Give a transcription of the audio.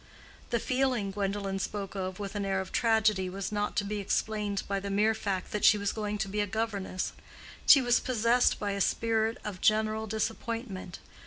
The "feeling" Gwendolen spoke of with an air of tragedy was not to be explained by the mere fact that she was going to be a governess: she was possessed by a spirit of general disappointment.